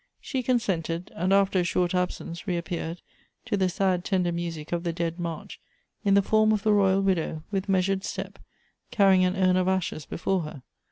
She consented; and after a short absence reappeared, to the sad tender music of the dead march, in the form of the royal widow, with measured step, carrying an urn of ashes before her.